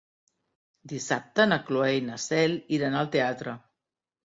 Dissabte na Cloè i na Cel iran al teatre.